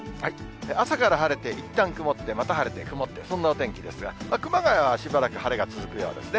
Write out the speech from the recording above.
朝から晴れて、いったん曇って、また晴れて曇って、そんなお天気ですが、熊谷はしばらく晴れが続くようですね。